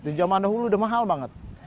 di zaman dahulu udah mahal banget